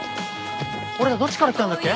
俺らどっちから来たんだっけ？